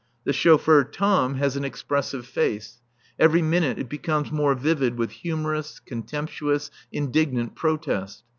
The chauffeur Tom has an expressive face. Every minute it becomes more vivid with humorous, contemptuous, indignant protest.